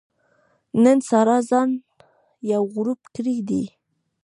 نن سارا ځان یو غړوپ کړی دی.